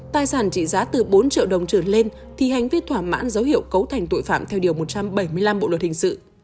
tài sản trị giá từ bốn triệu đồng trở lên thì hành vi thỏa mãn dấu hiệu cấu thành tội phạm theo điều một trăm bảy mươi năm bộ luật hình sự